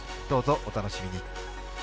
どうぞお楽しみに。